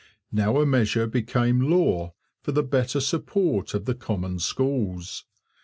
Now a measure became law for the better support of the common schools.